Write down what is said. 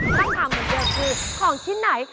และคำมือเดียวคือของที่ไหน